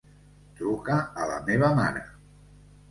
Truca a la meva mare.